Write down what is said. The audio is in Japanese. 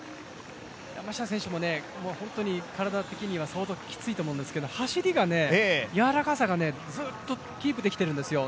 山下選手ももう本当に体的には相当きついと思うんですけれども、走りが柔らかさがずっとキープできているんですよ。